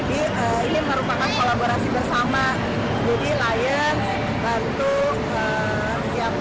jadi kita pengen sama sama kasih kebahagiaan buat anak anak jalanan